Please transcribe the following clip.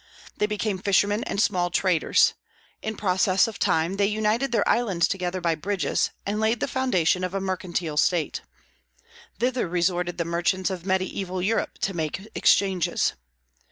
They became fishermen and small traders. In process of time they united their islands together by bridges, and laid the foundation of a mercantile state. Thither resorted the merchants of Mediaeval Europe to make exchanges.